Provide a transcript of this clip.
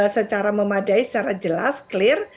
secara memadai secara jelas clear